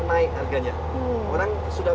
naik harganya orang sudah